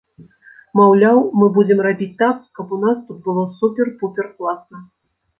Маўляў, мы будзем рабіць так, каб у нас тут было супер-пупер класна.